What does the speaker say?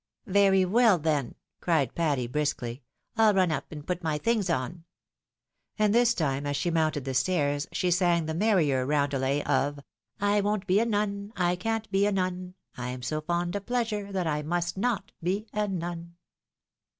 " Very well, then," cried Patty, briskly, " I'h run up and put my things on." And tliis time, as she mounted the stairs, she sang the merrier roundelay of I won't be a nun — I can't be a nun. I am so fond of pleasure thit I must not bo a nun.